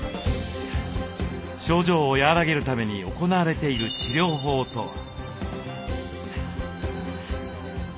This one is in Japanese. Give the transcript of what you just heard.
症状を和らげるために行われている治療法とは？